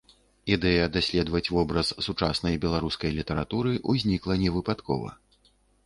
Ідэя даследаваць вобраз сучаснай беларускай літаратуры ўзнікла невыпадкова.